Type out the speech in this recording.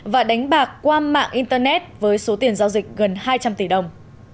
và đánh bạc qua mạng internet với số tiền giao dịch gần hai trăm linh tỷ đồng